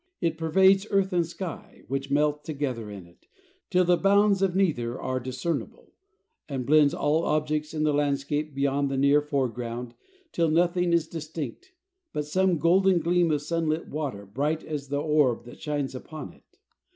It pervades earth and sky, which melt together in it, till the bounds of neither are discernible, and blends all objects in the landscape beyond the near foreground, till nothing is distinct but some golden gleam of sunlit water, bright as the orb that shines upon it.